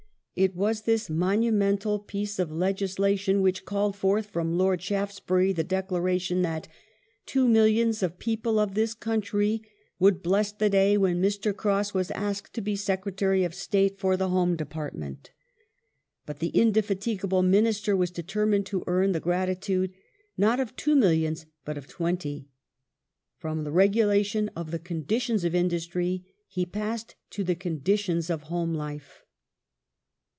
It was this monumental piece of legislation which called forth from Lord Shaftesbury the declaration that " two millions of people of this country would bless the day when Mr. Cross was asked to be Secretary of State for the Home Department ". But the indefatigable Minister was determined to earn the gratitude not of two millions, but of twenty. From the regulation of the conditions of industry, he passed to the conditions of home life.